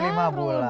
oh baru lima bulan